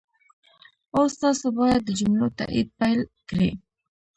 اوس تاسو باید د جملو تایید پيل کړئ.